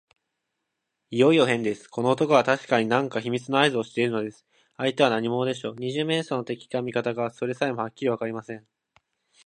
いよいよへんです。この男はたしかに何か秘密のあいずをしているのです。相手は何者でしょう。二十面相の敵か味方か、それさえもはっきりわかりません。